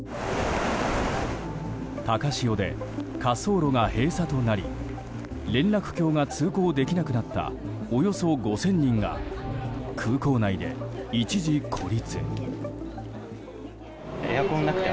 高潮で滑走路が閉鎖となり連絡橋が通行できなくなったおよそ５０００人が空港内で一時孤立。